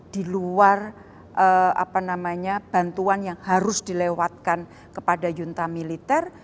di luar bantuan yang harus dilewatkan kepada yunta militer